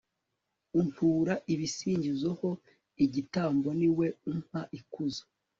untura ibisingizo ho igitambo, ni we umpa ikuzo